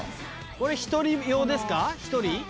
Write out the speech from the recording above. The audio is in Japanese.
これ１人用ですか。